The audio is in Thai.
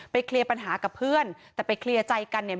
เคลียร์ปัญหากับเพื่อนแต่ไปเคลียร์ใจกันเนี่ย